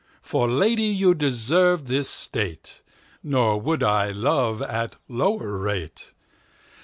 For Lady you deserve this State; Nor would I love at lower rate.